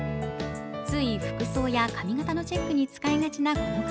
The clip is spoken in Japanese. つい服装や髪形のチェックに使いがちなこの鏡、